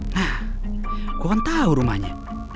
nah gue kan tau rumahnya